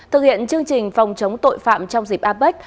thực hiện chương trình phòng chống tội phạm trong dịp apec